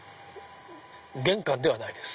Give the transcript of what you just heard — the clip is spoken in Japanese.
玄関ではないです。